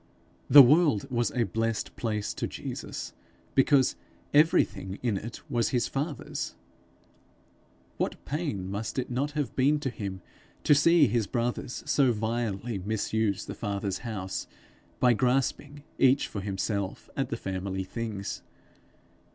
The world was a blessed place to Jesus, because everything in it was his father's. What pain must it not have been to him, to see his brothers so vilely misuse the Father's house by grasping, each for himself, at the family things!